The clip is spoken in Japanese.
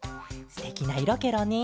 すてきないろケロね。